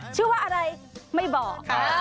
ชื่ออะไรไม่บอก